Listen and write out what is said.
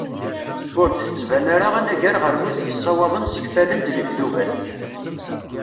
Ur d-tettban ara anagar ɣer wid yessawaḍen ssekfalen-d lekdubat.